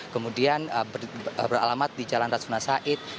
kemudian beralamat di jalan rasuna said